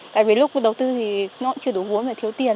tại vì lúc đầu tư thì nó cũng chưa đủ uống và thiếu tiền